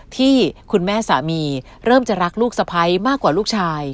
ที่คุณแม่สามีเริ่มจะรักลูกสะพ้ายมากกว่าลูกชาย